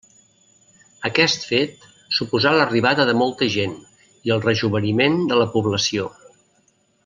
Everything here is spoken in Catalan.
Aquest fet suposà l'arribada de molta gent i el rejoveniment de la població.